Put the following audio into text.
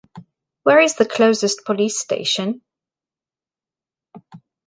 Where is the closest police station?